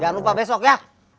jangan lupa besok ya